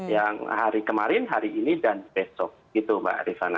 yang hari kemarin hari ini dan besok gitu mbak rifana